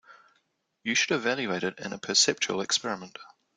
You should evaluate it in a perceptual experiment.